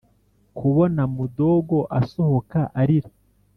kubona mudogo asohoka arira